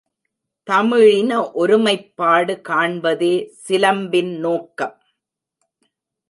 தமிழின ஒருமைப்பாடு காண்பதே சிலம்பின் நோக்கம்.